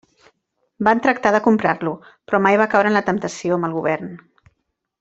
Van tractar de comprar-lo, però mai va caure en la temptació amb el govern.